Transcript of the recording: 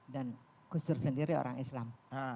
dan gus dur sendiri orang islam